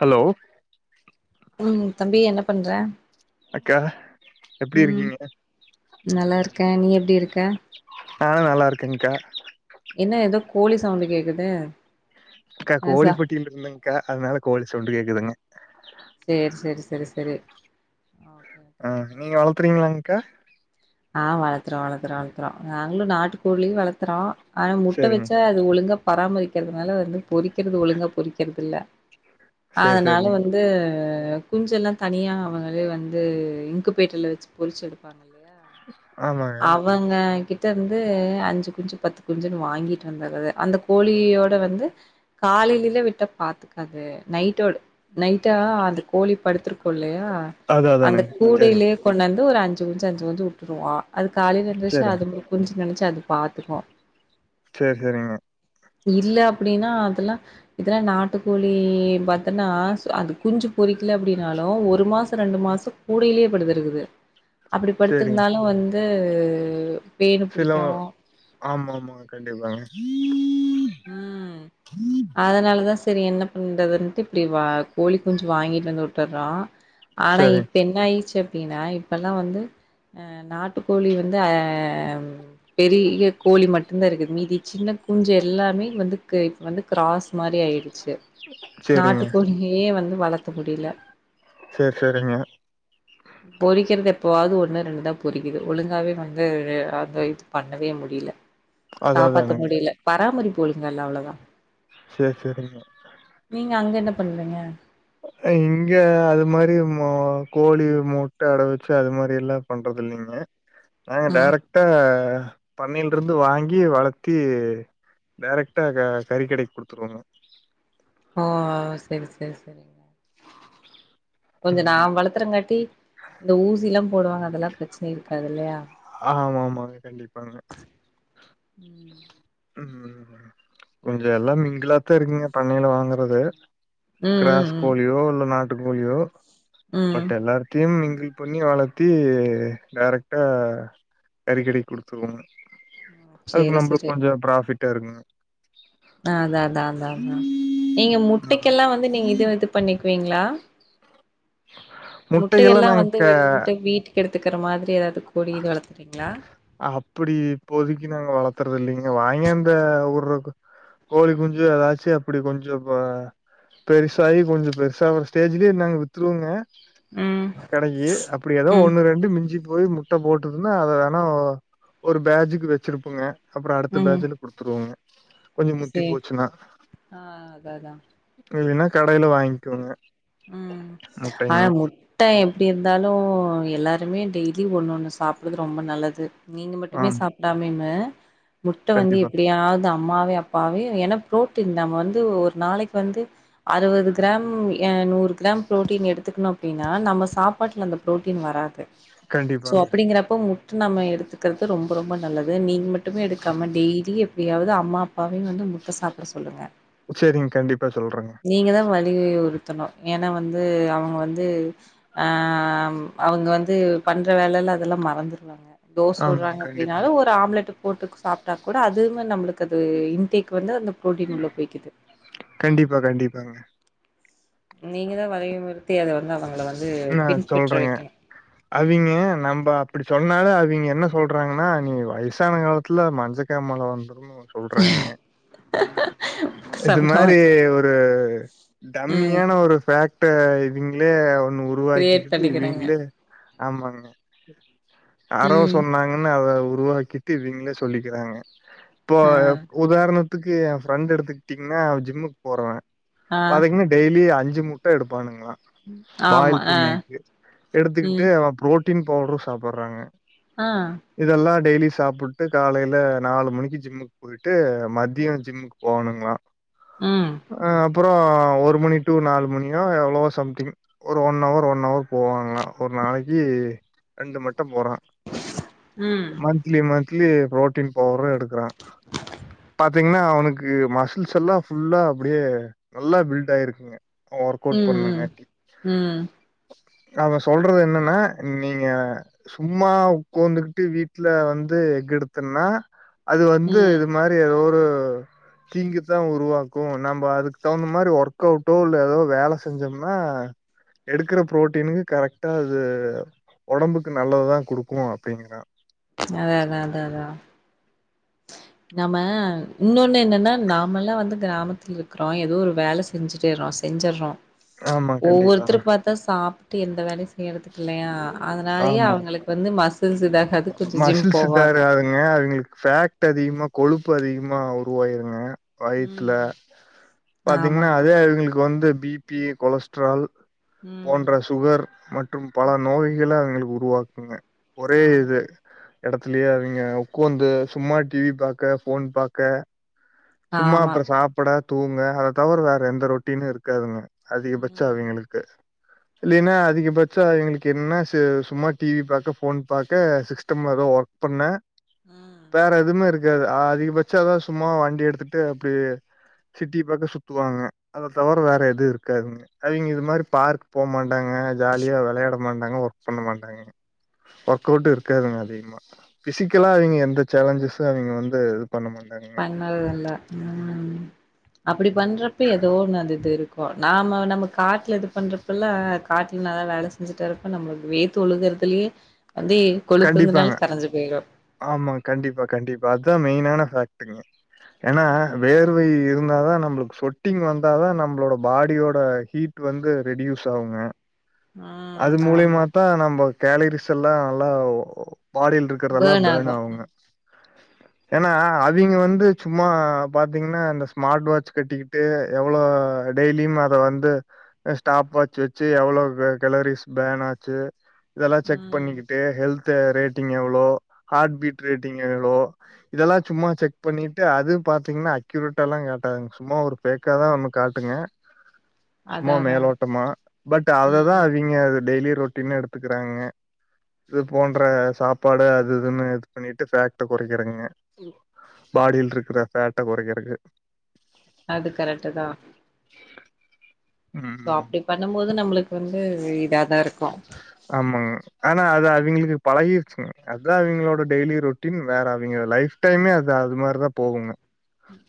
Hello ம் தம்பி என்ன பண்ற அக்கா எப்டி ம் இருக்கீங்க நல்லாருக்கே நீ எப்டி இருக்க ஆ நல்லாருக்கே கா என்ன எதோ கோழி சவுண்டு கேக்குது அக்கா சா கோழிப்பட்டில இருக்கனுங்க்கா அதனால கோழி சவுண்டு கேக்குதுங்க சோர் செர் செரி செரி ஆ நீங்க வளத்துறீங்களாங்க்கா ஆ வளத்துறோ வளத்துறோ வளத்துறோ நாங்களு நாட்டு கோழி வளத்துறோ ஆனா முட்ட சேரிங்க வச்சா அது ஒழுங்கா பராமரிக்கிறதுனால வந்து பொரிக்கிறது ஒழுங்கா பொரிக்கிறது இல்ல சேரி அதனால சேரிங்க வந்து குஞ்செல்லா தனியா அவங்களே வந்து இங்குப்பேட்டர்ல வச்சு பொரிச்சு எடுப்பாங்க இல்லையா ஆமாங்க அவங்க கிட்டருந்து அஞ்சு குஞ்சு பத்து குஞ்சுன்னு வாங்கிட்டு வந்தறது அந்த கோழியோட வந்து காலையில விட்டா பாத்துக்காது நைட்டோடு நைட்டா அந்த கோழி படுத்திருக்குல்லையா அது அந்த அதானுங்க சேரிங்க கூடையிலே கொண்டாந்து ஒரு அஞ்சு குஞ்சு அஞ்சு குஞ்சு விட்ருவோ அது காலைல எந்திருச்சு சேரிங்க அதுங்க குஞ்சுன்னு நெனச்சு அது பாத்துக்கு சேர் செரிங்க இல்ல அப்டின்னா அதெல்லா இதுல நாட்டுக்கோழி பாத்தன்னா அது குஞ்சு பொரிக்கல அப்டின்னாலு ஒரு மாசோ ரெண்டு மாசோ கூடைலயே படுத்திருக்குது அப்டி சேரிங்க படுத்திருந்தாலு வந்து பேனு சிலோ புடிக்கும். ஆமா ஆமா கண்டிப்பாங்க ம் அதனாலதா சேரி என்ன பண்றதுன்ட்டு இப்டி வா கோழிக் குஞ்சு வாங்கிட்டு வந்து வுட்டுற்றோ ஆனா சேரிங் இப்ப என்ன ஆயிச்சு அப்டின்னா இப்பெல்லா வந்து அ நாட்டுக்கோழி வந்து ஆம் பெரிய கோழி மட்டும்தா இருக்குது மீதி சின்ன குஞ்ச எல்லாமே வந்து இப்ப வந்து கிராஸ் மாரி ஆயிடுச்சு சேரிங்க நாட்டு கோழி ஏ வந்து வளத்த முடியல செர் செரிங்க பொறிக்கிறது எப்பாவது ஒண்ணோ ரெண்டோ பொறிக்குது ஒழுங்காவே வந்து அந்த இத் பண்ணவே முடியல அது காப்பாத்த அதானுங்க முடியல பராமரிப்பு ஒலுங்கா இல்ல அவ்ளாதா செர் செரிங்க நீங்க அங்கே என்ன பண்றீங்க இங்க அது மாதிரி ம்மே கோழி முட்ட அடகு வச்சு அது மாதிரில்லா பண்றது இல்லீங்க ஆ ம் டேரக்டா அ பன்னைல இருந்து வாங்கி வளர்த்தி டேரெக்டா க கறிக்கடைக் குடுத்துருவாங்க ஓ சரி சரி சரி கொஞ்சொ நா ம் வளர்த்தறங்காட்டி இந்த ஊசில்லா போடுவாங்க அதெல்லா பிரச்சன இருக்காது இல்லயா ஆ மாம்மாங்க கண்டிப்பாங்கம் ம் கொஞ்சோ எல்லா மிங்கிலாத்தா இருக்கீங்க பண்ணைல வாங்கறது ம் கிராஸ் ம் கோழியோ இல்ல நாட்டு கோழியோ ம் ம் பட் எல்லார்க் துயூம் மிங்கிள் பண்ணி வளர்த்தி டேரெக்டா கறிக்கடைக் குடுத்துருவோங்க அதுக்கு சேரி நம்மளுக் சேரி கொஞ்சோ பராஃபிட்டா இருக்குங்க ஆ அதா அதா அதா அதான் நீங்க ஆமா முட்டைக்கெல்லா வந்து நீங்க இது இது பண்ணிக்கு வீங்களா முட்டைகள்லா முட்டையெல்லா நாங்க வந்து க வந்ட்டு வீட்டுக்கு எடுத்க்கிற மாரி ஏதாவது கொடி கிடீ வளர்த்துறீங்களா அப்டி இப்போதைக்கு நாங்க வளர்த்தறது இல்லிங்க வாங்காந்து வுரதுக் கோயூ குஞ்சு ஏதாச்சு அப்டி கொஞ்சோ இப்ப பெருசாயி கொஞ்சோ பெருசாவுற ஸ்டேஜ்லயே நாங்க வித்துருவோங்க ம் கடைக்கி அப்டி ஏதோ ம் ஒண்ணு ரெண்டு மிஞ்சி போய் முட்ட போட்டுதுன்னா அத ன்னா ஒரு பேஜுக்கு வச்சிருபபுங்க அப்றோ அடுத்த ம் பேஜ்ல குடுத்துருவோங்க கொஞ்சோ முத்தி சேரி போச்சுன்னா ஆ அதா அதா இல்லன்னா கடையல வாங்கிவாங்க ம் ஆயா மூட் ட்ட எப்டி இருந்தாலூ எல்லாருமே டெய்லி ஒண்ணு ஒண்ணு சாப்ட்றது ரொம்ப நல்லது நீங்க மட்டுமே ஆம் சாப்டாமேமு முட்ட வந்து கண்டிப்பா எப்டியாத் அம்மாவே அப்பாவே ஏன்னா ப்ரோட்டின் நம்ம வந்து ஒரு நாளைக்கு வந்து அறுபது கிராம் ஏ நூறு கிராம் ப்ரோட்டீன் எடுத்துக்கணூ அப்டின்னா நம்ம சாப்பாட்ல அந்த ப்ரோட்டீன் வராது சோ கண்டிப்பாங்க அப்டிங்கிறப்ப முட்டு நம்ம எடுத்துக் இருக்கிறது ரொம்ப ரொம்ப நல்லது நீங்க மட்டுமே எடுக்காம டெய்லியூ எப்டியாது அம்மா அப்பாவையூ வந்து முட்ட சாப்பிட சொல்லுங்க செரிங்க கண்டிப்பா சொல்றேங்க நீங்க தா வலி உறுத்தணூ ஏனா வந்து அவுங்க வந்து ஆம் அவுங்க வந்து பண்ற வேலயில அதெல்லா மறந்துடுவாங்க தோஸ் ஆமாங்க சுட்றாங்க அப்டின்னாலு கண்டிப்பாங்க ஒரு ஆம்லெட் போட்டு சாப் கூட அதுமே நம்மளுக்கு அது இன்டேக் வந்து அந்த பு்ரோட்டீன் உள்ள போய்குது கண்டிப்பா கண்டிப்பாங்னே நீங்க தா வலியுமுறுத்தி அத வந்து அவுங்கள வந்து நா பின்பற்ற சொல்றேங்க வைக்கணோ அவிங்க நம்ம அப்டி சொன்னாலு அவிங்க என்ன சொல்றாங்கன்னா நீங்க வயசான காலத்துல மஞ்சக் ஞ்ச காமால வந்துருனு சொல்றேங்கே இது மாரி சம்பாவாச்சு ஒ ரு ம். டம்மியான ஒரு ஃவேக்ட இதுங்களே ஒன் கிரியேட் உருவாக்கிக்கிட்டு பண்ணிக்கிறாங்க. இவிங்களே ஆமாங்க யாரோ ம். சொன்னா ங்கன்னு அத உருவாக்கிட்டு இவிங்களே சொல்லிக்கிறாங்க இப்போ ஆ. உதாரணத்துக்கு எ ஃபிரெண்ட் எடுத்துக்கிட்டீங்கன்னா அவ ஜிம்முக்கு போறவே ஆ. பாத்தீங்கன்னா டெய்லி அஞ்சு முட்ட எடுப்பானுங்களா ஆமா ஒரு ஆ. நைட்டு எடுத்துக்கிட்டு ம். அவ புரோட்டீன் பவுடரு சாப்பறாங்க ஆ இதெல்லா டெய்லி சாப்ட்டு காலையில நாலு மணிக்கு ஜிம்முக்கு போயிட்டு மதியோ ஜிம்முக்கு போணுங்களா ம். அ அப்றோ ஒரு மணி டு நாலு மணியோ எவ்ளவோ சம்திங் ஒரு ஒன் ன அவர் ஒன் அவர் போவாங்களா ஒரு நாளைக்கி ரெண்டு மட்டு போறா ம் ட்லி மன்த்லி பு்ரோட்டீன் பவரு எடுக்குறா பாத்தீங்கன்னா அவனுக்கு மசில்ஸ்ல்லா ஃபுல்லா அப்டியே நல்லா பில்ட் ஆயிருக்குங்க ஒர்க் ம். அவுட் ம். பண்ணுங்காட்டி ம் அவ சொல்றது என்னன்னா நீங்க சும்மா உக்கோந்துகிட்டு வீட்டுல வந்து எக் எடுத்தேன்னா அது வந்து ம். இ மாரி எதோ ஒரு தீங்கு தா உருவாக்கும் நம்ப அதுக் தகுந்த மாரி ஒர்க் அவுட்டோ இல்ல ஏதோ வேலை செஞ்சோம்னா எடுக்குற ப்ரோட்டீனுகு கரெக்டா அது ஒடம்புக்கு நல்லது தான் குடுக்கு அப்டிங்கிறா அத அத அதா அதா நம்ம இன்னொன்னு என்னன்னா நாமெல்லா வந்து கிராமத்து இரு க்குறோ ஏதோ ஒரு வேல செஞ்சுட்டேறோ செஞ்சிறோ ஆமா கண்டிப்பாங்க ஒவ்வொருத்தரு பாத்தா சாப் ட்டு எந்த வேலையு செய்யறதுக்கு இல்லையா அதனாலயே ஆமா அவங்களுக்கு வந்து மஸ் ஸில்ஸ் இதாகாது கொஞ்சோ ஜிம் போவாங்க ங்கே அவுங்ளுக்கு ஃபேக்ட் அதிகமா கொழுப்பு அதிகமா உருவாயிருங்க வயித்ல ம் ஆமா பாத்தீங்ன்னா ஆமா அதே அவுங்ளுக்கு வந்து பி பி கொலஸ்ட்ரால் ம் போன்ற சுகர் மற்றும் பல நோய்களே அவுங்ளுக்கு உருவாக்குங்க ஒரே ஆமா எடத்துலே அவிங்க உக்கூந்து சும்மா டி வி பாக்க ஃபோன் பாக்க சும்மா ஆமா அப்ற சாப்புட தூங்க அத தவிர வேற எந்த ரொட்டினு இருக்காதுங்க அதிகபட்ச ம் அவிங்ளுக்கு இல்லின்னா அதிகபட்ச எங்ளுக்கு என்னா செ சும்மா டிவி பாக்க ஃபோன் பாக்க சிஸ்டம் எதோ ஒர்க் பண்ணே ம் வேற எதுமே இருக்காது அதிகபட்ச அதா சும்மா வண்டி எடு த்துட்டு அப்டியே சிட்டி பாக்க சுத்துவாங்க அத தவர வேற எது இருக்காதுங்க அவிங்க இது மாரி பார்க் போமாட்டாங்க ஜாலியா விளையாட மாட்டாங்க ஒர்க் பண்ண மாட்டாங்கே ஒர்க் அவுட்டு இருக்காதுங்க அதிமா பிசிக்கலா அவிங்க எந்த சேலஜ்சஸ்ஸு அவிங்க வந்து பண்ண மாட்டாங்கே நல் நல்லா ம் அப்டி பண்றப்பே ஏதோ ஒன்னு அந்த இது இருக்கு நாம நமக்கு காட்ல இது பண்றப்பல்லா காட்ல நல்லா வேல செஞ்சுட்டு இருப்ப நம்ளுக்கு வேத்து ஒழுகிறதுலயே வந்து கொழுப்பு கண்டிப்பாங்க இருந்தனால கரஞ்சி போயிரு ஆமா கண்டிப்பா கண்டிப்பா அதா மெயினான ஃபேக்டுங்க ஏன்னா ம் வேர்வை இருந்தா தா நம்ளுக்கு சொட்டிங் வந்தா தா நம்ளோட பாடியோட ஹீட் ட்டு வந்து ரெடியூஸ் ஆகுங்க அது ம் ஆமா மூலிமாதா நம்போ கேலரிஸ் எல்லா நல்லா பாடில் இருக் இருக்கதெல்லா பேர்ன் பேணு ஆகு ஆவுங்க ஏனா அவிங்க வந்து சும்மா பாத்தீங்ன்னா அந்த ஸ்மாட் வாட்ச் கட்டிகிட் ட்டு எவ்ளோ டெய்லியும் அத வந்து ஸ்டாப் வாச் வெச்சு எவ்ளோ கலரீஸ் பேன் ஆச்சு இதெல்லா செக் ம் பண்ணிக்கிட் ட்டு ஹெல்த்த ரேட்டிங் எவ்ளோ ஹாட் பீட் ரேட்டிங் எவ்ளோ இதெல்லா சும்மா செக் பண்ணிட்டு அது பாத்தீங்ன்னா அக்யூரெட்டால்லா காட்டாதுங் சும்மா ஒரு ஃபேக்காதா நமக் காட்டுங்க அதா சும்மா அதா மேலோட்டமா பட் ம் அததா ம் அவிங்க அத டெய்லி ரொட்டீன்னா எடுத்துக்குறாங்கங்க இது போன்ற சாப்பாடு அது இதுனு இது பண்ணிட்டு ஃபேக்ட் கொறைக்குறாங்க பாடில் இருக்குற ஃபேட்ட கொறைக்கருக்கு அது கரெட்டு தா சோ ம் அப்டி பண்ணும் போது நம்ளுக்கு வந்து இதாதா இருக்கு ஆமாங்க ஆனா அது அவிங்ளுக்கு பழகிருச்சுங்க அதா அவிங்ளோட டெய்லி ரொட் ரொட்டீன் வேற அவிங்க லைஃப் டைமே அது அது மாரதா போகுங்க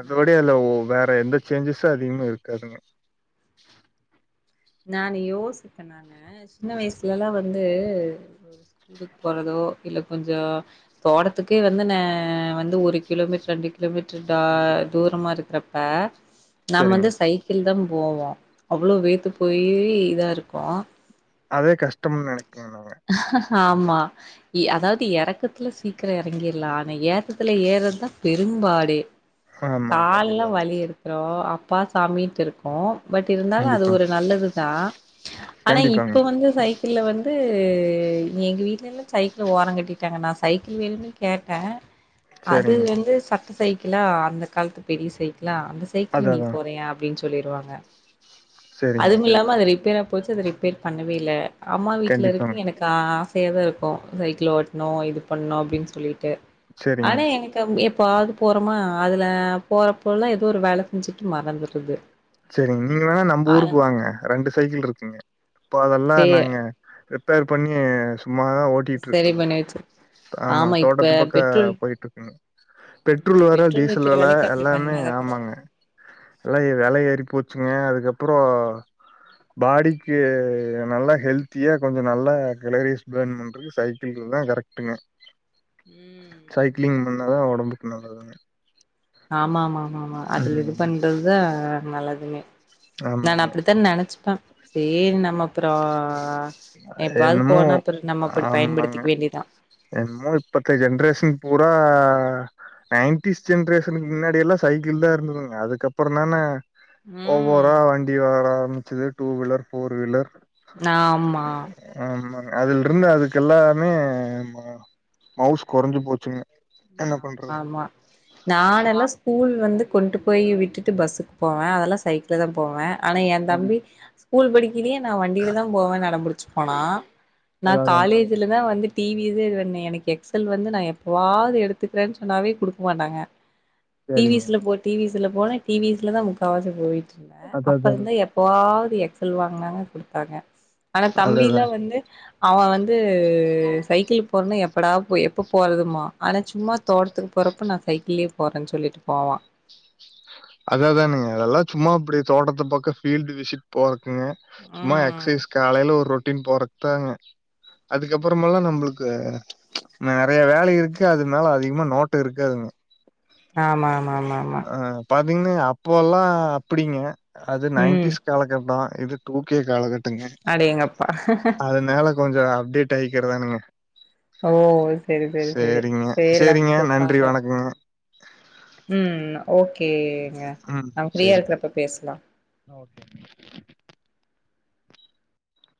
அதோடயா ஆமா இல்ல ஓ வேற எந்த சேஞ்ஜஸ்ஸு அதிகமே இருக்காதுங்க நானு யோசிப்ப நானு சின்ன வயிஸ்லெல்லா வந்து ஸ்கூலுக்கு போறதோ இல்ல கொஞ்சோ தோட்டத்துக்கே வந்து நே வந்து ஒரு கிலோமீட்டர் ரெண்டு கிலோமீட்டர் டா தூரமா இருக்கறப்ப நம்ம சரிங்க வந்து சைக்கிள் தாம் போவோ அவ்ளோ வேத்து போயி இதா இருக்கு அதே கஷ்டம்னு நெனைக்கிறோ நாங்க ஆமா இ அதாவது எறக்கத்துல சீக்குரோ எறங்கிர்லா ஆனா ஏத்தத்துல ஏர்றதா பெரும்பாடே ஆமாங்க கால்லா கண்டிப்பாங்க வலி ஈடுத்துரு அப்பா சாமின்ட்டு இருக் கு பட் இருந்தாலு அது கண்டிப்பா ஒரு நல்லது தா ஆனா கண்டிப்பாங்க இப்ப வந்து சைக் கிள்ல வந்து எங்க வீட்ல எல்லா சைக்கிள ஓரங் கட்டிட்டாங்க நா சைக்கிள் வேணுன்னு கேட்ட அது சரிங்க வந்து சட்ட சைக்கிளா அந்த காலத்து பெரிய சைக்கிளா அந்த சைக்கிள் அதா நீ அதா போறியா அப்டின் சொல்லிருவாங்க சரிங்க அதும் இல்லாம அது ரிப்பேரா போச்சு அத ரிப்பேர் பண்ணவே இல்ல அம்மா வீட்ல இருக்கு கண்டிப்பாங்க எனக் கா ஆசையாதா இருக்கு சைக்கிள் ஓட்ணு இது பண்ணு அப்டின் சொல்லிட்டு சரிங்க ஆனா எனக் டம் எப்பவாது போறமா அதுல போறப்பல்லா எதோ ஒரு வேல செஞ்சுட்டு மறந்துர்றது சேரிங் நீங்க வேணா நம்ப ஊருக்கு வாங்க ரெண்டு சைக்கிள் இருக்குங்க இப்போ அதெல்லா சே நாங்க ரிப்பேர் பண்ணி சும்மாதா ஓட் சரி ட்டிட்ருக்குங்க பண்ணி வச்சு ஆமா இப்ப தோட்டத்து பக்கோ பெட்ரோல் போயிட்ருக்குங்க பெட்ரோல் ம் வெல டீசல் விக்கிற வெல வெலைக்கு அப்டி எல்லாமே பண்ணாதா ஆமாங்க பரவால்ல. எல்லா வெலய ஏத் ட்டி போச்சுங்க அதுக்கப்புறோ பாடிக்கு நல்லா ஹெல்த்தியா கொஞ்சோ நல்லா கலரிஸ் போன் பண்றது து சைக்கிள்கதா கரெக்ட்டுங்க ம் சைக்கிளிங் பண்ணாதா ஒடம்புக்கு நல்லது தான ஆமாமாமாமா அதுல இது ம் பண்றதுதா நல்லதுமே நான் ஆமாங்க அப்படித்தே நெனைச்சுப்பே சேரி நம்ம அப்புற எப்பாவது என்னமோ போனா அப்புற நம்ம அப்படி பயன்படுத்திக்க வேண்டிதா என்மோ இப்பத்த ஜென்ரேஷன் பூரா நைன்டிஸ் ஜென்ரேஷனுக்கு முன்னாடி எல்லா சைக்கிள்தா இருந்ததுங்க அதுக்கப்பறந்தான ம் பூரா வண்டி வர ஆரம்பிச்சுது டூ வீலர் ஃபோர் வீலர் ஆமா ஆமாங்க அதுல் இருந்து அதுக்கு எல்லாமே ம மவுஸ் கொறைஞ்சு போச்சுங்க என்ன ஆமா பண்றது ஆமா நானெல்லா ஸ்கூல் வந்து கொண்டு போய் விட்டுட்டு பஸ்ஸுக்கு போவே அதெல்லா சைக்கிள்தா போவே ஆனா எ ம் தம்பி ஸ்கூல் படிக்கிலயே நா வண்டிலதா போவேன் அடம்புடிச்சு போனா நா அதா அதாங்க. காலேஜ்லதா வந்து டி வி ஸே இது பண்ண எனக்கு எக்ஸல் வந்து நா எப்பவாவுது எடுத்துக்கறன் சொன்னாவே குடுக்க மாட்டாங்க டி வி சரிங்க. ஸ் ல போட் டி வி ஸ் ல போன டி வி ஸ் லதா முக்காவாசி போயிட்ருந்த அதா அப்பறந்தா அதானுங்க. எ எப்பவாவுது எக்சல் வாங்குனாங்க குடுத்தாங்க ஆனா அதா தம்பிலா அதாங்க. வந்து அவ வந்து சைக்கிள்ளு போறன்னா எப்படா போ எப்ப போறதுமா ஆனா சும்மா தோட்டத்துக்கு போறப்ப நா சைக்கிள்லயே போறன் சொல்லிட்டு போவா அதா அதானுங்க அதெல்லா சும்மா அப்படி தோட்டத்து பக்க ஃபீல்டு விசிட் போறக்குங்க சும்மா ம் எக்சைஸ் காலைல ஒரு ரொட்டீன் போறக்தாங்க அதுக்கப்பறமால நம்புளுக்கு நெறைய வேலை இருக்கு அது மேல அதிகமா நோட்ட இருக்காதுங்க ஆமா ஆமா ஆமா ஆமா ஆ பாத்திங்னா அப்போல்லா அப்பிடிங்க அது ம் நைன்டிஸ் காலகட்ட இது டூ கே காலகட்டங்க அடேங்கப்பா அதனால கொஞ்ச அப்டேட் ஆயிக்கிறதானுங்க ஓ செரி செரி செரி சரிங்க. சேரிடா சரிங்க. செரி நன்றி பாரே வணக்கங்க. ம் ஓகேங்க நம் ஃப்ரீயா இருக்கறப்ப பேசலா ஓகேங்க